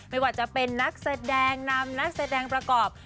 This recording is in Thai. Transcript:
ไม่ว่าจะเป็นนักแสดงนำนักแสดงประกอบ